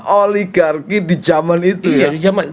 oligarki di zaman itu ya